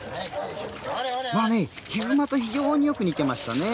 ヒグマと非常によく似てましたね。